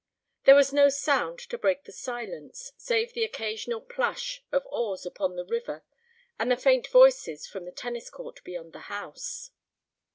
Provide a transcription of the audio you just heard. There was no sound to break the silence save the occasional plash of oars upon the river and the faint voices from the tennis court beyond the house.